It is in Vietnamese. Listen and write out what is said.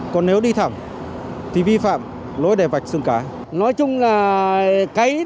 còn nếu đi thẳng thì vi phạm lỗi đè vạch xương cá